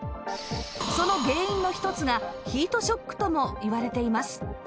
その原因の一つがヒートショックともいわれています